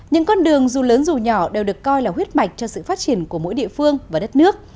những con đường dù lớn dù nhỏ đều được coi là huyết mạch cho sự phát triển của mỗi địa phương và đất nước